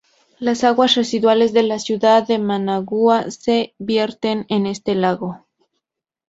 Las aguas residuales de la ciudad de Managua se vierten en este lago.